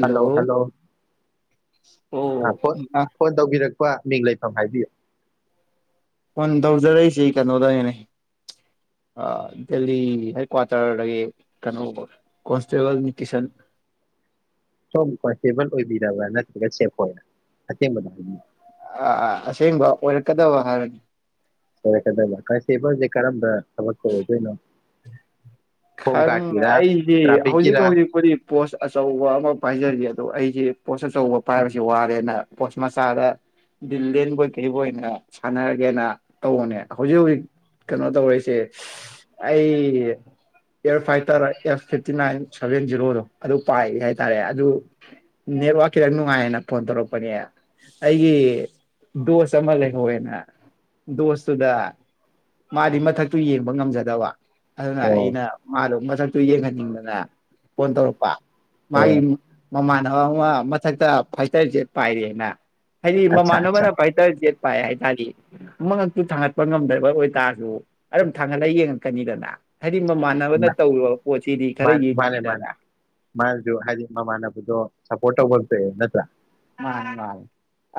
hello hello ꯑ ꯑꯣ ꯄꯣꯠ ꯑ ꯐꯣꯟ ꯇꯧꯕꯤꯔꯛ ꯄꯥ ꯃꯤꯡ ꯂꯩꯐꯝ ꯍꯥꯏꯕꯤꯌꯨ ꯐꯣꯟ ꯇꯧꯖꯔꯛꯏꯁꯤ ꯀꯩꯅꯣꯗꯒꯤꯅꯦ ꯑ ꯗꯦꯜꯂꯤ ꯍꯦꯠꯀ꯭ꯋꯥꯇꯔꯗꯒꯤ ꯀꯩꯅꯣ ꯕ ꯀꯣꯟꯁꯇꯦꯕꯜ ꯅꯤꯀꯤꯁꯟ ꯁꯣꯝ ꯀꯣꯟꯁꯇꯦꯕꯜ ꯑꯣꯏꯕꯤꯔꯕ꯭ꯔꯥ ꯅꯠꯇ꯭ꯔꯒ ꯁꯦꯐꯣꯏꯔꯥ ꯑꯁꯦꯡꯕꯗꯣ ꯍꯥꯏꯕꯤꯌꯨ ꯑꯥ ꯑꯥ ꯑꯁꯦꯡꯕ ꯑꯣꯏꯔꯛꯀꯗꯕ ꯍꯥꯏꯔꯅꯤ ꯑꯣꯏꯔꯛꯀꯗꯕ ꯀꯟꯁꯇꯦꯕꯜꯖꯦ ꯀꯔꯝꯕ ꯊꯕꯛꯇ ꯑꯣꯏꯗꯣꯏꯅꯣ ꯍꯣꯝ ꯈꯪ ꯒꯥꯔꯗꯀꯤꯔꯥ ꯑꯩꯗꯤ ꯍꯧꯖꯤꯛ ꯇ꯭ꯔꯥꯐꯤꯛꯀꯤꯔꯥ ꯍꯧꯖꯤꯛꯄꯨꯗꯤ ꯄꯣꯁ ꯑꯆꯧꯕ ꯑꯃ ꯄꯥꯏꯖꯔꯤ ꯑꯗꯣ ꯑꯩꯁꯦ ꯄꯣꯁ ꯑꯆꯧꯕ ꯄꯥꯏꯕꯁꯤ ꯋꯥꯔꯦꯅ ꯄꯣꯁ ꯃꯆꯥꯗ ꯗꯤꯂꯦꯟꯕꯣꯏ ꯀꯩꯕꯣꯏꯅ ꯁꯥꯟꯅꯔꯒꯦꯅ ꯇꯧꯕꯅꯦ ꯍꯧꯖꯤꯛ ꯍꯧꯖꯤꯛ ꯀꯩꯅꯣ ꯇꯧꯔꯤꯁꯦ ꯑꯩ year fighter F fifty nine seven ꯖꯦꯔꯣꯗꯣ ꯑꯗꯨ ꯄꯥꯏꯔꯤ ꯍꯥꯏꯇꯥꯔꯦ ꯑꯗꯨ ꯅꯦꯠꯋꯥꯛ ꯈꯤꯇꯪ ꯅꯨꯡꯉꯥꯏꯌꯦꯅ ꯐꯣꯟ ꯇꯧꯔꯛꯄꯅꯦ ꯑꯩꯒꯤ ꯗꯣꯁ ꯑꯃ ꯂꯩꯍꯧꯋꯦꯅ ꯗꯣꯁꯇꯨꯗ ꯃꯥꯗꯤ ꯃꯊꯛꯇꯨ ꯌꯦꯡꯕ ꯉꯝꯖꯗꯕ ꯑꯗꯨꯅ ꯑꯣ ꯑꯩꯅ ꯃꯊꯛꯇꯨ ꯌꯦꯡꯍꯟꯅꯤꯡꯗꯅ ꯐꯣꯟ ꯇꯧꯔꯛꯄ ꯃꯥꯏ ꯑꯣ ꯏꯝ ꯃꯃꯥꯟꯅꯕ ꯑꯃ ꯃꯊꯛꯇ ꯐꯥꯏꯇꯔꯖꯦꯠ ꯄꯥꯏꯔꯦꯅ ꯍꯥꯏꯗꯤ ꯑꯠꯆꯥ ꯑꯠꯆꯥ ꯃꯃꯥꯟꯅꯕꯅ ꯐꯥꯏꯇꯔꯖꯦꯠ ꯄꯥꯏ ꯍꯥꯏꯇꯥꯥꯔꯤ ꯃꯉꯛꯇꯨ ꯊꯥꯡꯒꯠꯄ ꯉꯝꯗ꯭ꯔꯕ ꯑꯣꯏꯇꯥꯔꯁꯨ ꯑꯗꯨꯝ ꯊꯥꯡꯒꯠꯂ ꯌꯦꯡꯉꯛꯀꯅꯤꯗꯅ ꯍꯥꯏꯗꯤ ꯃꯃꯥꯟꯅꯕ ꯃꯥ ꯃꯥ ꯃꯥꯅꯤ ꯃꯥꯅꯤ ꯃꯥꯁꯨ ꯍꯥꯏꯗꯤ ꯃꯃꯥꯟꯅꯕꯗꯣ ꯁꯄꯣꯔꯠ ꯇꯧꯕꯝꯖꯦ ꯅꯠꯇ꯭ꯔ ꯑ ꯃꯥꯟ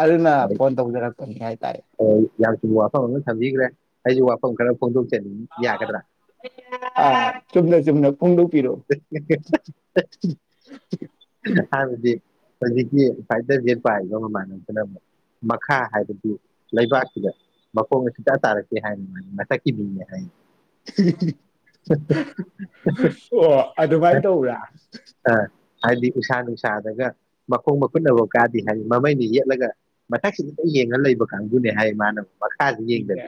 ꯑꯗꯨꯅ ꯐꯣꯟ ꯇꯧꯖꯔꯛꯄꯅꯤ ꯍꯥꯏ ꯑꯥ ꯌꯥꯝ ꯆꯨꯝꯕ ꯋꯥꯐꯝ ꯑꯃ ꯊꯝꯕꯤꯒ꯭ꯔꯦ ꯑꯩꯖꯨ ꯋꯥ ꯐꯝ ꯈꯔ ꯐꯣꯡꯗꯣꯛ [unintelligible] ꯆꯨꯝꯅ ꯆꯨꯝꯅ ꯐꯣꯡꯗꯣꯛꯄꯤꯔꯛꯑꯣ [unintelligible] ꯍꯥꯢꯕ ꯨꯗꯤ ꯑꯈꯣꯢꯒꯤ ꯃꯤ ꯐꯥꯏꯇꯔꯖꯦ ꯄꯥꯏꯕ ꯃꯃꯥꯟꯅꯕꯗꯨꯅ ꯃꯨꯛ ꯃꯈꯥ ꯍꯥꯏꯕꯗꯤ ꯂꯩꯕꯥꯛꯁꯤꯗ ꯃꯈꯣꯡꯒ ꯁꯨꯛꯇ ꯇꯥꯔꯛꯇꯦ ꯍꯥꯏꯅ ꯃꯥ ꯃꯊꯛꯀꯤ ꯃꯤꯅꯦ ꯍꯥꯏ ꯑꯣ ꯑꯣ ꯑꯗꯨꯃꯥꯏ ꯇꯧꯕ꯭ꯔꯥ ꯑꯥ ꯍꯥꯏꯗꯤ ꯎꯁꯥ ꯅꯨꯡꯁꯥꯗꯒ ꯃꯈꯣꯡ ꯃꯈꯨꯠꯅꯕꯥꯎ ꯀꯥꯗꯦ ꯍꯥꯏꯔꯤ ꯃꯃꯩꯩꯅ ꯌꯦꯠꯂꯒ ꯃꯊꯛꯁꯤꯗꯗꯨꯝ ꯌꯦꯡꯉ ꯂꯩꯕ ꯀꯥꯡꯒꯨꯅꯦ ꯍꯥꯏꯌꯦ ꯃꯥꯅ ꯃꯈꯥꯁꯤ ꯏꯍꯦ ꯌꯦꯡꯗꯕꯤ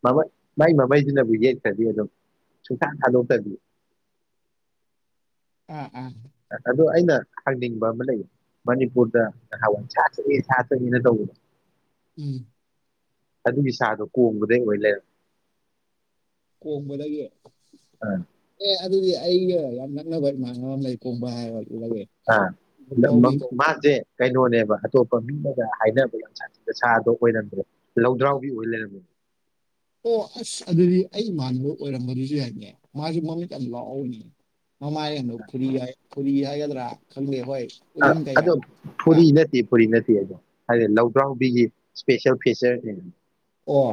[unintelligible] ꯃꯥꯏ ꯃꯃꯩꯁꯤꯅꯕꯨ ꯌꯦꯠꯈ꯭ꯔꯗꯤ ꯑꯗꯨꯝ ꯁꯨꯡꯊꯥ ꯊꯥꯗꯣꯛꯇꯕꯤ ꯑ [unintelligible] ꯑꯩꯅ ꯍꯪꯅꯤꯡꯕ ꯑꯃ ꯂꯩꯌꯦ ꯃꯅꯤꯄꯨꯔꯗ ꯅꯍꯋꯥꯏ ꯁꯥ ꯊꯣꯛꯑꯦ ꯁꯥ ꯊꯣꯛꯑꯦꯅ ꯇꯧꯕꯗꯣ ꯎꯝ ꯑꯗꯨꯒꯤ ꯁꯥꯗꯣ ꯀꯣꯡꯕꯗꯩ ꯑꯣꯏ ꯂꯩꯔꯝꯃꯦ ꯀꯣꯡꯕꯗꯒꯤ ꯑꯦ ꯑꯗꯨꯗꯤ ꯑꯩꯒ ꯌꯥꯝ ꯅꯛꯅꯕ ꯏꯃꯥꯟꯅꯕ ꯑꯃ ꯂꯩ ꯀꯣꯡꯕ ꯍꯥꯏꯔ [unintelligible] ꯃꯥꯁꯦ ꯀꯩꯅꯣꯅꯦꯕ ꯑꯇꯣꯞꯄ ꯃꯤꯅꯒ ꯍꯥꯏꯅꯕ ꯌꯥꯝ ꯁꯥꯠꯊꯤꯕ ꯁꯥꯗꯣ ꯑꯣꯏꯔꯝꯗ꯭ꯔꯦ ꯂꯧꯗ꯭ꯔꯥꯎꯕꯤ ꯑꯣꯏ ꯂꯩꯔꯝꯃꯦ ꯑꯣ ꯑꯁ ꯑꯗꯨꯗꯤ ꯑꯩ ꯏꯃꯥꯟꯅꯕ ꯑꯣꯏꯔꯝꯕꯗꯨꯁꯨ ꯌꯥꯏꯅꯦ ꯃꯥꯁꯨ ꯃꯃꯤꯠ ꯌꯥꯝ ꯂꯥꯎꯕꯅꯤ ꯃꯃꯥꯏ ꯑꯗ ꯈꯨꯔꯤꯒꯥꯏ ꯐꯨꯔꯤ ꯍꯥꯏꯒꯗ꯭ꯔꯥ ꯈꯪꯗꯦ ꯍꯣꯏ ꯑ ꯎꯔꯤꯡ ꯀꯩꯀꯥ ꯑꯗꯣ ꯌꯥꯎꯕ꯭ꯔꯥ ꯐꯨꯔꯤ ꯅꯠꯇꯦ ꯐꯨꯔꯤ ꯅꯠꯇ ꯇꯦꯗꯣ ꯍꯥꯏꯗꯤ ꯂꯧꯗ꯭ꯔꯥꯎꯕꯤꯒꯤ ꯏꯁꯄꯦꯁꯦꯜ ꯐꯤꯆꯔꯅꯦ ꯑꯣ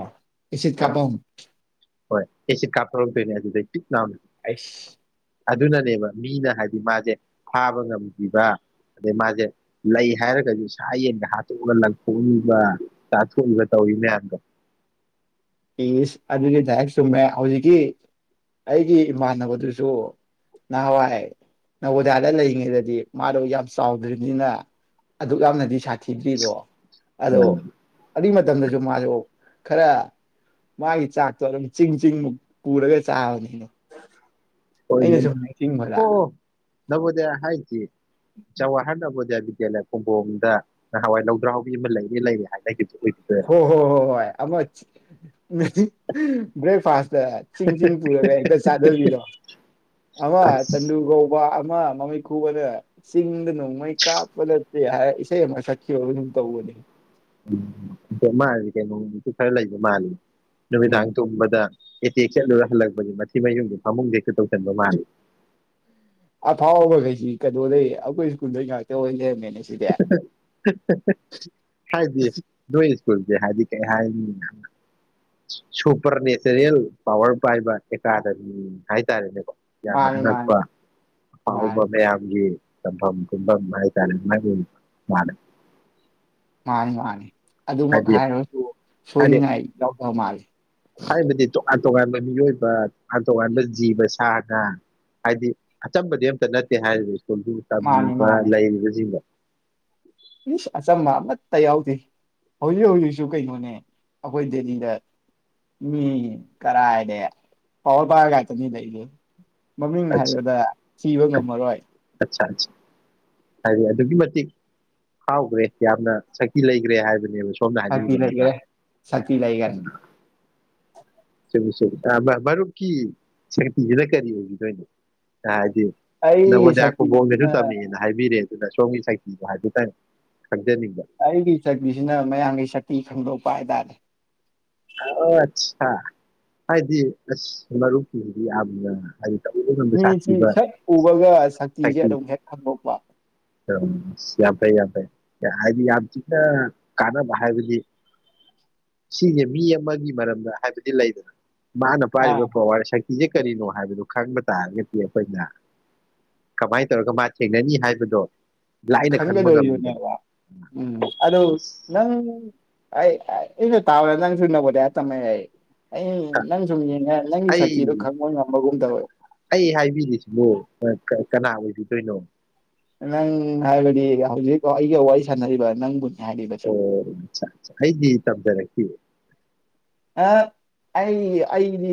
ꯏꯁꯤꯠ ꯀꯥꯄꯝ ꯍꯣꯏ ꯑꯦꯁꯤꯠ ꯀꯥꯞꯊꯣꯔꯛ ꯇꯣꯏꯅꯦ ꯑꯗꯨꯗꯩ ꯄꯤꯠ ꯂꯥꯎꯅ ꯑꯩꯁ ꯑꯗꯨꯅꯅꯦꯕ ꯃꯤꯅ ꯍꯥꯏꯗꯤ ꯃꯥꯁꯦ ꯐꯥꯕ ꯉꯝꯈꯤꯕ ꯑꯗꯩ ꯃꯥꯁꯦ ꯂꯩ ꯍꯥꯏꯔꯒꯗꯤ ꯁꯥ ꯌꯦꯟꯒ ꯍꯥꯠꯇꯣꯛꯑꯒ ꯂꯪꯊꯣꯛꯑꯝꯃꯤꯕ ꯆꯥꯊꯣꯛꯏꯕ ꯇꯧꯏ ꯃꯌꯥꯝꯗꯣ ꯏꯁ ꯑꯗꯨꯒꯤ ꯗꯥꯏꯔꯦꯛ ꯆꯨꯝꯃꯦ ꯍꯧꯖꯤꯛꯀꯤ ꯑꯩꯒꯤ ꯏꯃꯥꯟꯅꯕꯗꯨꯁꯨ ꯅꯍꯥꯟꯋꯥꯏ ꯅꯕꯣꯗꯤꯌꯥꯗ ꯂꯩꯔꯤꯉꯩꯗꯗꯤ ꯃꯥꯗꯣ ꯌꯥꯝ ꯆꯥꯎꯗ꯭ꯔꯤꯝꯅꯤꯅ ꯑꯗꯨꯛ ꯌꯥꯝꯅꯗꯤ ꯁꯥꯊꯤꯗ꯭ꯔꯤꯗꯣ ꯑ, ꯑꯗꯣ ꯑꯗꯨꯏ ꯃꯇꯝꯗꯁꯨ ꯃꯥꯗꯣ ꯈꯔ ꯃꯥꯒꯤ ꯆꯥꯛꯇꯣ ꯑꯗꯨꯝ ꯆꯤꯡ ꯆꯤꯡꯃꯨꯛ ꯄꯨꯔꯒ ꯆꯥꯕꯅꯤꯅꯦ ꯑꯩꯅ [unintelligible] ꯁꯨꯝ ꯅꯤꯡꯁꯤꯡꯕꯗ ꯆꯋꯥꯍꯔꯗ ꯅꯣꯕꯣꯗꯤꯌꯥ ꯕꯤꯗ꯭ꯌꯥꯂ ꯈꯣꯡꯕꯣꯝꯗ ꯅꯍꯋꯥꯏ ꯂꯧꯗ꯭ꯔꯥꯎꯕꯤ ꯑꯃ ꯂꯩꯔꯦ ꯂꯩꯔꯦ ꯍꯥꯏ ꯍꯣ ꯍꯣ ꯍꯣ ꯍꯣꯏ ꯑꯃ ꯆ [inaudible] ꯕ꯭ꯔꯦꯛꯐꯥꯁꯇ ꯆꯤꯡ ꯆꯤꯡ ꯄꯨꯔꯒ ꯍꯦꯛꯇ ꯆꯥꯗꯕꯤꯗꯣ ꯑꯃ ꯆꯟꯗꯨ ꯑꯁ ꯀꯧꯕ ꯑꯃ ꯃꯃꯤꯠ ꯈꯨꯕꯗ ꯆꯤꯡꯗ ꯅꯣꯡꯃꯩ ꯀꯥꯞꯄ ꯅꯠꯇꯦ ꯍꯥꯏ ꯏꯁꯩ ꯑꯃ ꯁꯛꯈꯤꯕ ꯒꯨꯝ ꯇꯧꯕꯅꯦ [unintelligible] ꯎꯝ ꯅꯨꯃꯤꯗꯥꯡ ꯇꯨꯝꯕꯗ ꯑꯦꯇꯦꯛ ꯆꯠꯂꯨꯔ ꯍꯜꯂꯛꯄꯗꯤ ꯃꯊꯤ ꯃꯌꯨꯝꯗꯤ ꯐꯃꯨꯡꯗꯩ ꯇꯧꯁꯟꯕ ꯃꯥꯜꯂꯤ ꯑꯩꯈꯣꯏꯁꯤ ꯀꯩꯅꯣꯗꯩ ꯂꯩꯩ ꯑꯩꯈꯣꯏ ꯁ꯭ꯀꯨꯜꯗꯩ ꯉꯥꯛꯇ ꯑꯣꯏ ꯂꯩꯔꯝꯃꯦ ꯍꯥꯏꯗꯤ ꯅꯣꯢ ꯁ꯭ꯀꯨꯜꯁꯦ ꯍꯥꯏꯗꯤ ꯀꯩ ꯍꯥꯏꯅꯤ ꯁꯨꯄꯔ ꯅꯦꯆꯔꯦꯜ ꯄꯋꯥꯔ ꯄꯥꯏꯕ ꯑꯦꯀꯗꯁꯤ ꯍꯥꯏꯇꯥꯔꯦꯅꯦꯀꯣ ꯌꯥꯝꯅ ꯃꯥꯅꯤ ꯃꯥꯅꯤ ꯑꯉꯛꯄ ꯑꯐꯥꯎꯕ ꯃꯥꯅꯤ ꯃꯌꯥꯝꯒꯤ ꯁꯝꯕꯝ ꯀꯨꯝꯕꯝ ꯍꯥꯏ ꯇꯥꯔꯦꯅꯦꯀꯣ ꯃꯥꯅꯦ ꯑꯝꯍꯥꯅꯤ ꯑꯗꯨꯃꯛ ꯍꯥꯏꯔꯁꯨ ꯍꯥꯏꯗꯤ ꯁꯣꯏꯅꯤꯡꯉꯥꯏ ꯌꯥꯎꯗꯕ ꯃꯥꯜꯂꯤ ꯍꯥꯏꯕꯗꯤ ꯇꯣꯉꯥꯟꯕ ꯃꯤꯑꯣꯏꯕ ꯇꯣꯉꯥꯟ ꯇꯣꯉꯥꯟꯕ ꯖꯤꯕ ꯁꯥ ꯉꯥ ꯍꯥꯏꯗꯤ ꯑꯆꯝꯕꯗꯤ ꯑꯝꯇ ꯅꯠꯇꯦ ꯍꯥꯏꯗꯤ ꯃꯥꯅꯤ ꯇꯝꯃꯤꯕ ꯂꯩꯔꯤꯕꯁꯤꯡꯗꯣ ꯏꯁꯁ ꯑꯆꯝꯕ ꯑꯃꯠꯇ ꯌꯥꯎꯗꯦ ꯍꯧꯖꯤꯛ ꯍꯧꯖꯤꯛꯁꯨ ꯀꯩꯅꯣꯅꯦ ꯑꯩꯈꯣꯏ ꯗꯦꯜꯂꯤꯗ ꯃꯤ ꯀꯔꯥꯏꯗꯩꯪ ꯄꯋꯥꯔ ꯄꯥꯢꯕ ꯉꯥꯛꯇꯅꯤ ꯂꯩꯖꯦ ꯃꯃꯤꯡ ꯑꯠꯆꯥ ꯍꯥꯏꯕꯗ ꯊꯤꯕ ꯉꯝꯃꯔꯣꯏ ꯥꯏ ꯍꯥꯏꯗꯤ ꯑꯗꯨꯛꯀꯤ ꯃꯇꯤꯛ ꯐꯤꯎꯒ꯭ꯔꯦ ꯌꯥꯝꯅ ꯁꯛꯇꯤ ꯂꯩꯒ꯭ꯔꯦ ꯍꯥꯏꯕꯅꯦꯕ ꯁꯣꯝꯅ ꯁꯛꯇꯤ ꯍꯥꯏꯅꯤꯡꯉꯤꯕ ꯅꯠꯇ꯭ꯔꯥ ꯂꯩꯒ꯭ꯔꯦ ꯁꯛꯇꯤ ꯂꯩꯒ꯭ꯔꯦ ꯃꯔꯨꯞꯀꯤ ꯁꯛꯇꯤꯁꯤꯅ ꯀꯔꯤ ꯑꯣꯏꯕꯤꯗꯣꯏꯅꯣ ꯍꯥꯏꯗꯤ ꯑꯩꯒꯤ ꯅꯕꯣꯗꯤꯌꯥ ꯁꯛꯇꯤꯁꯤꯅ ꯈꯨꯝꯕꯣꯡꯒꯤꯗꯁꯨ ꯇꯝꯃꯤꯅ ꯍꯥꯏꯕꯤꯔꯦ ꯁꯣꯡꯒꯤ ꯁꯛꯇꯤꯗꯣ ꯍꯥꯏꯕ ꯇꯪ ꯑꯩꯒꯤ ꯁꯛꯇꯤꯁꯤꯅ ꯃꯌꯥꯝꯒꯤ ꯁꯛ ꯇꯤ ꯈꯟꯗꯣꯛꯄ ꯍꯥꯏꯇꯥꯔꯦ ꯑꯣ ꯑꯆꯥ ꯍꯥꯏꯗꯤ ꯑꯁ ꯃꯔꯨꯞꯀꯤ ꯌꯥꯝꯅ ꯇꯧꯕ ꯉꯝꯕ ꯃꯤꯁꯤ ꯁꯥꯊꯤꯕ ꯍꯦꯛ ꯎꯕꯒ ꯁꯛꯇꯤꯁꯦ ꯁꯛꯇꯤ ꯑꯗꯨꯝ ꯍꯦꯛ ꯈꯟꯗꯣꯛꯄ ꯌꯥꯝ ꯐꯩ ꯌꯥꯝ ꯐꯩ ꯍꯥꯏꯗꯤ ꯌꯥꯝ ꯊꯤꯅ ꯀꯥꯟꯅꯕ ꯍꯥꯏꯕꯗꯤ ꯁꯤꯁꯦ ꯃꯤ ꯑꯃꯒꯤ ꯃꯔꯝꯗ ꯍꯥꯏꯕꯗꯤ ꯂꯩꯗꯅ ꯃꯥꯅ ꯑꯥ ꯄꯥꯢꯔꯤꯕ ꯄꯋꯥꯔ ꯁꯛ ꯁꯤꯁꯦ ꯀꯔꯤꯅꯣ ꯍꯥꯏꯕꯗꯨ ꯈꯪꯕ ꯇꯥꯔꯒꯗꯤ ꯑꯩꯈꯣꯏꯅ ꯀꯃꯥꯏꯅ ꯇꯧꯔꯒ ꯃꯥ ꯊꯦꯡꯅꯅꯤ ꯍꯥꯏꯕꯗꯣ ꯂꯥꯏꯅ ꯈꯪꯕ ꯉꯝꯃꯤꯗꯅ ꯈꯪꯒꯗꯣꯔꯤꯕꯅꯦꯕ ꯎꯝ ꯑꯗꯨ ꯅꯪ ꯑꯩꯅ ꯇꯥꯥꯕꯗ ꯅꯪꯁꯨꯨ ꯅꯕꯣꯗ꯭ꯌꯥ ꯇꯝꯃꯒꯑꯦ ꯍꯥꯏꯌꯦ ꯑꯩ ꯅꯪ ꯁꯨꯝ ꯌꯦꯡꯉ ꯅꯪꯒꯤ ꯑꯩ ꯁꯛꯇꯤꯗꯣ ꯈꯪꯕ ꯉꯝꯕꯒꯨꯝ ꯇꯧꯋꯦ ꯑꯩ ꯍꯥꯏꯕꯤꯔꯤꯁꯤꯕꯨ ꯀꯅꯥ ꯑꯣꯏꯕꯤꯗꯣꯏꯅꯣ ꯅꯪ ꯍꯥꯏꯕꯗꯤ ꯍꯧꯖꯤꯛ ꯑꯩꯒ ꯋꯥꯔꯤ ꯁꯥꯟꯅꯔꯤꯕ ꯅꯪꯕꯨ ꯑꯣ ꯆꯥ ꯆꯥ ꯑꯩꯗꯤ ꯇꯝꯖꯔꯛ ꯎ ꯑꯩ ꯑꯩꯗꯤ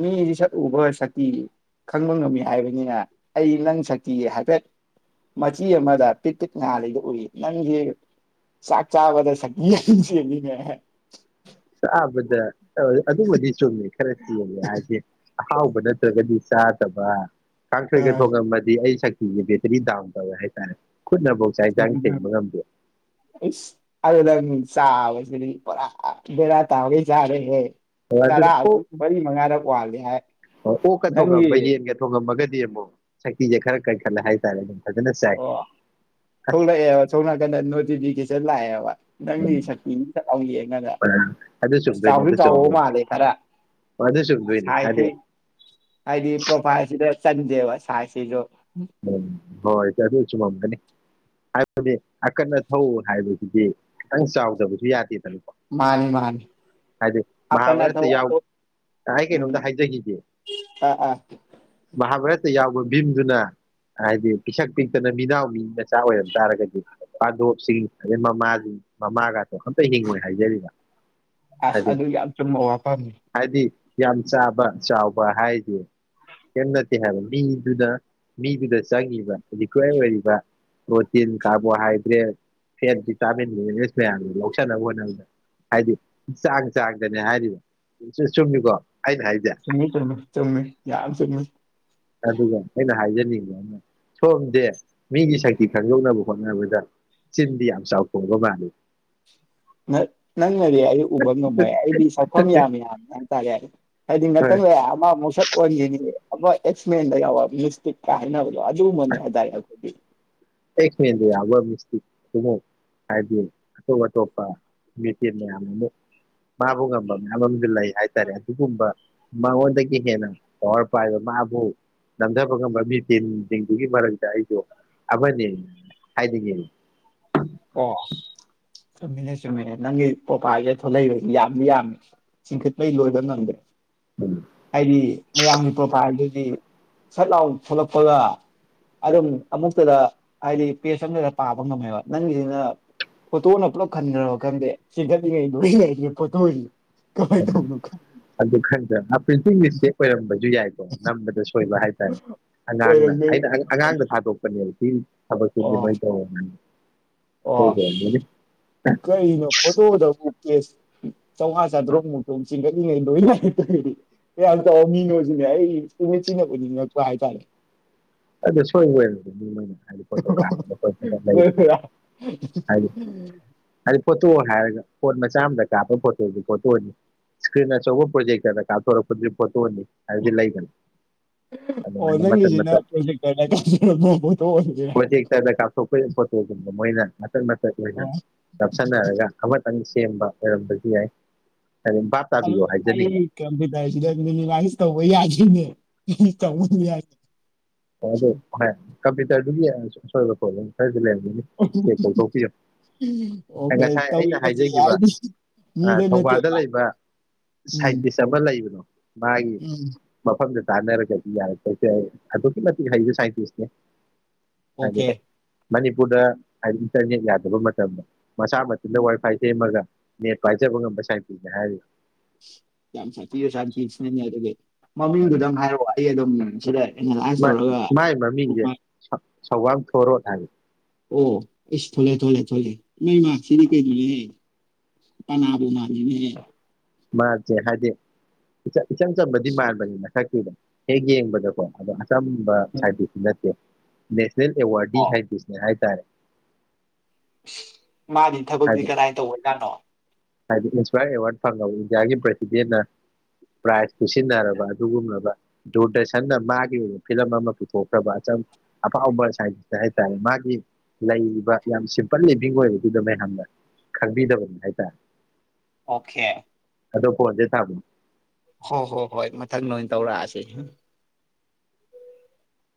ꯃꯤꯗꯤ ꯁꯛꯎꯕ ꯁꯛꯇꯤ ꯈꯪꯕ ꯉꯝꯃꯤ ꯍꯥꯏꯕꯅꯤꯅ ꯑꯩ ꯅꯪ ꯁꯛꯇꯤ ꯍꯥꯏꯐꯦꯠ ꯃꯆꯤ ꯑꯃꯗ ꯄꯤꯛ ꯄꯤꯛ ꯉꯥꯜꯂꯤꯗꯨ ꯎꯏ ꯅꯪꯒꯤ ꯆꯥꯛ ꯆꯥꯕꯗ ꯁꯛꯇꯤ ꯌꯥꯝ ꯆꯦꯅꯤꯅꯦ ꯇꯥꯕꯗ ꯑꯗꯨꯕꯨꯗꯤ ꯆꯨꯝꯃꯦ ꯈꯔ ꯆꯦꯜꯂꯦ ꯍꯥꯏꯁꯦ ꯑꯍꯥꯎꯕ ꯅꯠꯇ꯭ꯔꯒꯗꯤ ꯆꯥꯗꯕ ꯀꯥꯡꯁꯣꯏꯒ ꯑ ꯊꯣꯡꯉꯝꯃꯗꯤ ꯑꯩ ꯁꯛ [unintelligible] ꯗꯥꯝ ꯇꯧꯋꯦ ꯍꯥꯏ ꯇꯥꯔꯦ ꯑꯁ ꯅꯡ ꯆꯥꯕꯁꯤꯗꯤ ꯄꯨꯔ ꯕꯦꯔꯥ ꯇꯥꯕꯒꯩ ꯆꯥꯔꯦꯍꯦ ꯑꯣ ꯆꯔꯥ ꯑꯗꯨꯅ ꯑꯗꯨ ꯑꯣꯛ ꯃꯔꯤ ꯃꯉꯥꯔꯛ ꯋꯥꯂꯤ ꯍꯥꯏ ꯅꯪꯒꯤ ꯗꯤ ꯑꯃꯨꯛ ꯁꯛꯇꯤꯁꯦ ꯈꯔ ꯈꯟꯈꯠꯂꯦ ꯍꯥꯏꯇꯥꯔꯦꯅꯦ ꯑꯣ ꯊꯣꯛꯂꯛꯑꯦꯕ ꯑꯁꯣꯝꯅꯥꯀꯟꯗ ꯅꯣꯠꯇꯤꯐꯤꯀꯦꯁꯟ ꯂꯥꯛꯑꯦꯕ ꯅꯪꯒꯤ ꯎꯝ ꯁꯛꯇꯤꯅꯤ ꯗꯥꯎ ꯌꯦꯡꯉꯒ ꯑ- ꯑꯗꯨ ꯑꯁ ꯆꯨꯝꯗꯣꯏꯅꯦ ꯆꯥꯎꯗꯤ ꯑꯗꯨ ꯆꯥꯎꯕ ꯆꯨꯝꯗꯣꯏꯅꯤ ꯃꯥꯜꯂꯦ ꯈꯔ ꯍꯣꯏ ꯑꯗꯨ ꯆꯨꯝꯗꯣꯏꯅꯤ ꯁꯥꯏꯖꯁꯤ ꯍꯥꯏꯗꯤ ꯍꯥꯏꯗꯤ ꯄ꯭ꯔꯣꯐꯥꯏꯜꯁꯤꯗ ꯆꯟꯗꯦꯕ ꯁꯥꯏꯖꯁꯤꯁꯨ ꯎꯝ ꯍꯣꯏ ꯑꯗꯨ ꯆꯨꯝꯃꯝꯒꯅꯤ ꯍꯥꯏꯕꯗꯤ ꯑꯀꯟ ꯑꯊꯧ ꯍꯥꯏꯕꯁꯤꯗꯤ ꯈꯤꯇꯪ ꯆꯥꯎꯗꯕꯗꯤ ꯌꯥꯗꯦꯗꯅ ꯃꯥꯅꯤ ꯃꯥꯅꯤ ꯑꯀꯟ ꯃꯍꯥꯚꯥꯔꯠꯇ ꯌꯥꯎ ꯑꯊꯧ ꯑꯩ ꯎꯝ ꯀꯩꯅꯣꯝꯇ ꯍꯥꯏꯖꯈꯤꯒꯦ ꯑ ꯑ ꯇ ꯌꯥꯎꯕ ꯚꯤꯝꯗꯨꯅ ꯍꯥꯏꯗꯤ ꯄꯤꯁꯛ ꯄꯤꯛꯇꯅ ꯃꯤꯅꯥꯎ ꯃꯤ ꯃꯆꯥ ꯑꯣꯏꯔꯝ ꯇꯥꯔꯒꯗꯤ ꯄꯥꯗꯣꯞꯁꯤꯡ ꯑꯗꯩ ꯃꯃꯥꯁꯤꯡ ꯃꯃꯥꯒ ꯑꯝꯇ ꯍꯤꯡꯉꯣꯏ ꯍꯥꯏꯖꯔꯤꯕ ꯑꯁ ꯍꯥꯏ ꯑꯗꯨ ꯌꯥꯝ ꯆꯨꯝꯕ ꯋꯥꯐꯝꯅꯤ ꯍꯥꯏꯗꯤ ꯌꯥꯝ ꯆꯥꯕ ꯆꯥꯎꯕ ꯍꯥꯏꯗꯤ ꯀꯦꯝ ꯅꯠꯇꯦ ꯍꯥꯏꯕ ꯃꯤꯗꯨꯗ ꯃꯤꯗꯨꯗ ꯆꯪꯉꯤꯕ ꯔꯤꯀ꯭ꯋꯦꯔ ꯑꯣꯏꯔꯤꯕ protein carbohydrate fat vitamins mineral ꯃꯌꯥꯝꯁꯦ ꯂꯧꯁꯤꯟꯅꯕ ꯍꯣꯠꯅꯕꯗ ꯍꯥꯏꯗꯤ ꯆꯥꯡ ꯆꯥꯡꯗꯅꯦ ꯍꯥꯏꯔꯤꯕ ꯆꯨꯝꯃꯤꯀꯣ ꯑꯩꯅ ꯍꯥꯏꯁꯦ ꯆꯨꯃꯤ ꯆꯨꯃꯤ ꯆꯨꯝꯃꯤ ꯌꯥꯝ ꯆꯨꯝꯃꯤ ꯑꯗꯨꯒ ꯑꯩꯅ ꯍꯥꯏꯖꯅꯤꯡꯕꯅ ꯁꯣꯝꯁꯦ ꯃꯤꯒꯤ ꯁꯛꯇꯤ ꯈꯪꯗꯣꯛꯅꯕ ꯍꯣꯠꯅꯕꯗ ꯆꯤꯟꯗꯤ ꯌꯥꯝ ꯆꯥꯎꯊꯣꯛꯕ ꯃꯥꯜꯂꯤ ꯅꯪ ꯅꯗꯤ ꯑꯩ ꯎꯕ ꯉꯝꯃꯣꯏ ꯑꯩꯗꯤ ꯁꯛꯐꯝ ꯌꯥꯝ ꯌꯥꯝꯃꯤ ꯍꯥꯏꯇꯥꯔꯦ ꯍꯥꯏꯗꯤ ꯍꯣꯏ ꯉꯥꯇꯪ ꯂꯩ ꯑꯃ ꯃꯨ ꯁꯠ ꯑꯣꯟꯈꯤꯅꯤ ꯑꯃꯥ ꯑꯦꯛꯁꯃꯦꯟ ꯗ ꯌꯥꯎꯕ ꯃꯤꯁ ꯐꯤꯠ ꯀ ꯍꯥꯏꯅꯕꯗꯨ ꯑꯗꯨꯒꯨꯝꯕꯅꯤ ꯍꯥꯏꯇꯥꯔꯦ ꯑꯩꯈꯣꯏꯗꯤ ꯑꯦꯛꯁꯃꯦꯟꯗ ꯌꯥꯕ ꯃꯤꯁꯇꯤꯛ ꯑꯃ ꯍꯥꯏꯕꯗꯤ ꯑꯇꯣꯞ ꯑꯇꯣꯞꯄ ꯃꯦꯆꯤꯟ ꯃꯌꯥꯝ ꯑꯃꯨ ꯃꯥꯕꯨ ꯉꯝꯕ ꯃꯌꯥꯝ ꯑꯃꯗꯤ ꯂꯩ ꯍꯥꯏꯇꯥꯔꯦ ꯑꯗꯨꯒꯨꯝꯕ ꯃꯉꯣꯟꯗꯒꯤ ꯍꯦꯟꯅ ꯄꯋꯥꯔ ꯄꯥꯏꯕ ꯃꯥꯕꯨ ꯅꯝꯊꯕ ꯉꯝꯕ ꯃꯤꯆꯤꯟꯁꯤꯡꯗꯨꯒꯤ ꯃꯔꯛꯇ ꯑꯩꯁꯨ ꯑꯝꯅꯦ ꯍꯥꯏꯅꯤꯡꯉꯦ ꯑꯣ ꯆꯨꯝꯃꯤꯅꯦ ꯆꯨꯝꯃꯤꯅꯦ ꯅꯪꯒꯤ ꯄ꯭ꯔꯣꯐꯥꯜꯁꯤꯗ ꯊꯣꯛꯂꯛꯏꯁꯦ ꯌꯥꯝꯗꯤ ꯌꯥꯝꯃꯤ ꯆꯤꯡꯈꯠꯄꯩ ꯂꯣꯏꯕ ꯉꯝꯗꯦ ꯎꯝ ꯍꯥꯏꯗꯤ ꯃꯌꯥꯝꯒꯤ ꯄ꯭ꯔꯣꯐꯥꯜꯗꯨ ꯍꯥꯏꯗꯤ ꯁꯠ ꯂꯥꯎꯟ ꯊꯣꯛꯂꯛꯄꯒ ꯑꯗꯨꯝ ꯑꯃꯨꯛꯇꯗ ꯍꯥꯏꯗꯤ ꯄꯦꯁ ꯑꯝꯇꯗ ꯄꯥꯕ ꯉꯝꯃꯦꯕ ꯅꯪꯒꯤꯁꯤꯅ ꯐꯣꯇꯣꯅ ꯄꯨꯂꯞ ꯈꯟꯈ꯭ꯔꯕ ꯈꯟꯗꯦ ꯁꯤ ꯀꯜꯂꯤꯉꯩ ꯐꯣꯇꯣ ꯑꯗꯨ ꯈꯟꯗ꯭ꯔꯥ ꯑ ꯄ꯭ꯔꯤꯟꯇꯤꯡ ꯃꯤꯁꯇꯦꯛ ꯑꯣꯏꯔꯝꯕꯁꯨ ꯌꯥꯏꯀꯣ ꯅꯝꯕꯗ ꯁꯣꯏꯕ ꯍꯥꯏꯇꯥꯔꯦ ꯑꯉꯥꯡꯅ ꯑꯣꯏꯔꯝꯗꯣꯏ ꯑꯩꯅ ꯑꯣꯏꯔꯝꯅꯦ ꯑꯉꯥꯡꯗ ꯊꯥꯗꯣꯛꯄꯅꯦꯕ ꯎꯝ ꯊꯕꯛ ꯄꯨꯟꯕ ꯑꯣ ꯅꯣꯏ ꯇꯧꯔꯣ ꯅꯣꯏ ꯑꯣ ꯀꯔꯤꯅꯣ ꯐꯣꯇꯣꯗꯕꯨ ꯀꯦꯁ ꯆꯥꯝꯃꯉꯥ ꯆꯥꯇ꯭ꯔꯨꯛ ꯃꯨꯛꯇꯣꯡ ꯆꯤꯡꯈꯠꯂꯤꯉꯩ ꯂꯣꯏ ꯂꯥꯛꯛꯇ꯭ꯔꯗꯤ ꯀꯌꯥꯝ ꯇꯧ ꯃꯤꯉꯣꯁꯤꯅꯦ ꯑꯩ ꯏꯠꯁꯤꯤꯟꯅ ꯄꯨꯅꯤꯡꯉꯛꯄ ꯍꯥꯏꯇꯥꯔꯦ ꯑꯗꯨ ꯁꯣꯏ ꯑꯣꯏꯔꯝꯒꯅꯤ ꯍꯥꯏꯗꯤ ꯐꯣꯇꯣ ꯀꯥꯞꯄꯗ ꯈꯣꯠꯄꯗ ꯀꯣꯏꯔꯛ ꯂꯩꯕꯅꯤ ꯇꯣꯏꯔꯥ ꯍꯥꯏꯗꯤ ꯍꯥꯏꯗꯤ ꯐꯣꯇꯣ ꯍꯥꯏꯔꯒ ꯐꯣꯟ ꯃꯆꯥ ꯑꯃꯗ ꯀꯥꯞꯄ ꯐꯣꯇꯣꯗꯨ ꯐꯣꯇꯣꯅꯤ ꯏꯁꯀ꯭ꯔꯤꯟ ꯑꯆꯧꯕ ꯄ꯭ꯔꯣꯖꯦꯛꯇꯗ ꯀꯥꯞꯊꯣꯔꯛꯄꯗꯨ ꯐꯣꯇꯣꯅꯤ ꯍꯥꯏꯗꯤ ꯂꯩꯗꯅ ꯑꯗꯨ ꯑꯣ ꯃꯥꯏꯅ ꯃꯟ ꯃꯇꯠ ꯅꯪꯒꯤꯁꯤꯅ ꯃꯇꯠ [unintelligible] ꯄ꯭ꯔꯣꯖꯦꯛꯇꯔꯗ ꯀꯥꯞꯊꯣꯛꯄ ꯐꯣꯇꯣ ꯀꯣꯏ ꯐꯣ ꯃꯅꯥ ꯃꯇꯠ ꯑꯣ ꯅꯞꯁꯤꯟꯅꯔꯒ ꯑꯃ ꯇꯪ ꯁꯦꯝꯕ ꯑꯣꯏꯔꯝꯕꯗꯤ ꯌꯥꯏ ꯍꯥꯏꯗꯤ ꯚꯥꯞ ꯍꯜꯂꯣ ꯇꯥꯕꯤꯌꯣ ꯍꯥꯏꯖꯅꯤꯡꯕ ꯑꯩ ꯀꯝꯄ꯭ꯌꯨꯇꯔꯁꯤꯗ ꯅꯤꯃꯨꯂꯥꯏꯁ ꯇꯧꯕ ꯌꯥꯁꯤꯅꯦ ꯏ ꯀ ꯎ ꯍꯥꯏꯦ ꯑꯣ ꯑꯗꯨ ꯍꯥꯏ ꯀꯝꯄ꯭ꯌꯨꯇꯔꯗꯨꯒꯤ [unintelligible] ꯆꯦꯛ ꯇꯧꯊꯣꯛꯄꯤꯌꯣ ꯑꯣꯀꯦ ꯉꯁꯥꯏ ꯑꯩꯅ ꯇꯧꯔꯤꯕꯁꯤ ꯍꯥꯏꯖꯈꯤꯕ ꯍꯥꯏꯗꯤ ꯃꯤꯗ ꯊꯧꯕꯥꯜꯗ ꯅꯠꯇꯦꯕ ꯂꯩꯕ ꯎꯝ ꯁꯥꯏꯟꯇꯤꯁ ꯑꯃ ꯂꯩꯕꯅꯣ ꯃꯥꯒꯤ ꯎꯝ ꯃꯐꯝꯐꯝꯗ ꯇꯥꯟꯅꯔꯒꯗꯤ ꯌꯥꯏ [unintelligible] ꯑꯗꯨꯛꯀꯤ ꯃꯇꯤꯛ ꯁꯥꯏꯇꯤꯁꯅꯦ ꯑꯣꯀꯦ ꯃꯅꯤꯄꯨꯔꯗ ꯍꯥꯏꯗꯤ ꯏꯟꯇꯔꯅꯦꯠ ꯌꯥꯗꯕ ꯃꯇꯝꯗ ꯃꯁꯥ ꯃꯊꯟꯟꯗ ꯎꯝ ꯋꯥꯏ ꯐꯥꯏ ꯁꯦꯝꯃꯒ ꯅꯦꯠ ꯄꯥꯏꯖꯕ ꯉꯝꯕ ꯁꯛꯇꯤꯅꯤ ꯍꯥꯏꯔꯤ ꯌꯥꯝ ꯁꯥꯇꯕ ꯁꯥꯏꯟꯇꯤꯁ ꯅꯤꯅꯦ ꯑꯗꯨꯗꯤ ꯃꯃꯤꯡꯗꯨꯗꯪ ꯍꯥꯏꯔꯛꯑꯣ ꯑꯩ ꯑꯗꯨꯝ ꯁꯤꯗꯦ ꯃꯥꯏ ꯃꯃꯤꯡꯁꯦ ꯁꯧ ꯁꯧꯕꯥꯝ ꯄꯔꯣ ꯊꯅꯤ ꯑꯣ ꯑꯦꯁ ꯊꯣꯂꯛꯦ ꯊꯣꯂꯦ ꯊ ꯊꯣꯛꯂꯦ ꯃꯩ ꯃꯥꯁꯤꯗꯤ ꯀꯩꯅꯣꯅꯦ ꯄꯅꯥꯕꯨ ꯃꯥꯜꯂꯤꯅꯦꯍ ꯃꯥꯗꯦ ꯍꯥꯏꯗꯤ ꯏꯆꯝ ꯆꯝꯕꯗꯤ ꯃꯥꯟꯕꯅꯤꯅ ꯁꯛꯇꯤꯕꯅꯤ ꯍꯦꯛ ꯌꯦꯡꯕꯗ ꯀꯣ ꯐꯖꯥꯅ ꯆꯝꯕ ꯍꯥꯏꯕꯗꯤ ꯅꯠꯇꯦ ꯅꯦꯠ ꯁꯅꯦꯜ ꯑꯦꯋꯥꯔꯗꯤ ꯑꯣ ꯍꯥꯏꯐꯤꯁꯅꯦ ꯍꯥꯏꯇꯥꯔꯦ ꯁꯤꯁ ꯃꯥꯗꯤ ꯊꯕꯛꯇꯤ ꯍꯥꯏꯗꯤ ꯀꯗꯥꯥꯏ ꯇꯧꯕꯖꯥꯠꯅꯣ ꯍꯥꯏꯗꯤ ꯏꯟꯁꯄꯥꯌꯔ ꯑꯦꯋꯥꯔꯗ ꯐꯪꯉꯥꯕ ꯏꯟꯗꯤꯌꯥꯒꯤ ꯄ꯭ꯔꯦꯁꯤꯗꯦꯟꯠꯅ ꯄ꯭ꯔꯥꯏꯖ ꯈꯨꯁꯤꯟꯅꯔꯕ ꯑꯗꯨꯒꯨꯝꯂꯕ ꯗꯨꯔꯗꯔꯁꯟꯅ ꯃꯥꯒꯤ ꯑꯣꯏꯕ ꯐꯤꯂꯝ ꯑꯃ ꯄꯨꯊꯣꯛꯈ꯭ꯔꯕ ꯑꯆꯝ ꯑꯐꯥꯎꯕꯥ ꯁꯥꯢꯟꯇꯤꯁꯅꯦ ꯍꯥꯏ ꯇꯔꯦ ꯃꯥꯒꯤ ꯂꯩꯔꯤꯕ ꯌꯥꯝ ꯁꯤꯝꯄꯜ ꯂꯤꯚꯤꯡ ꯑꯣꯏꯕꯗꯨꯗ ꯃꯌꯥꯝꯅ ꯈꯪꯕꯤꯗꯕꯅꯤ ꯍꯥꯏ ꯇꯥꯔꯦ ꯑꯣꯀꯦ ꯑꯗꯣ ꯄꯣꯟꯗꯦ ꯊꯥꯕꯅꯤ ꯍꯣꯏ ꯍꯣꯏ ꯍꯣꯏ ꯃꯊꯪ ꯅꯣꯏꯅ ꯇꯧꯔꯛꯑꯁꯦ